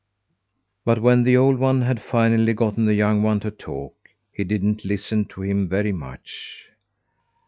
But when the old one had finally gotten the young one to talk, he didn't listen to him very much.